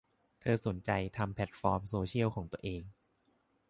เธอสนใจทำแพลตฟอร์มโซเชียลของตัวเอง